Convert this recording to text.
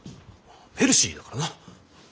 ヘルシーだからな。